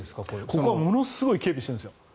ここはものすごい警備をしてるんですよ。